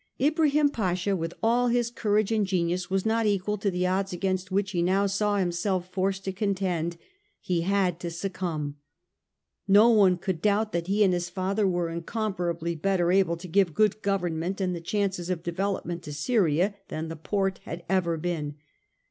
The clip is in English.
Ibrahim Pasha with all his courage and genius was not equal to the odds against which he now saw himself forced to contend. He had to succumb. No one could doubt that he and his father were incomparably better able to give good government and the chances of development to Syria than the Porte had ever been.